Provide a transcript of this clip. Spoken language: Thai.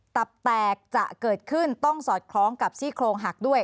ตับแตกจะเกิดขึ้นต้องสอดคล้องกับซี่โครงหักด้วย